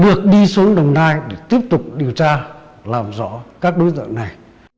được đi xuống đồng nai để tiếp tục điều tra làm rõ các đối tượng này